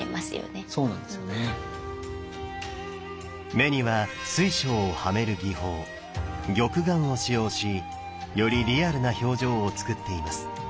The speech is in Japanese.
目には水晶をはめる技法玉眼を使用しよりリアルな表情をつくっています。